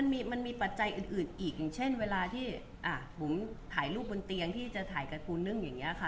มันมีปัจจัยอื่นอีกอย่างเช่นเวลาที่ผมถ่ายรูปบนเตียงที่จะถ่ายการ์นึ่งอย่างนี้ค่ะ